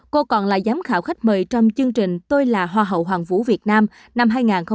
cô còn là giám khảo khách mời trong chương trình tôi là hoa hậu hoàng vũ việt nam năm hai nghìn hai mươi